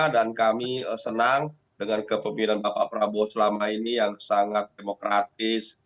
dan kami senang dengan kepemirian bapak prabowo selama ini yang sangat demokratis